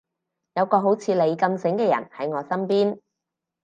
有個好似你咁醒嘅人喺我身邊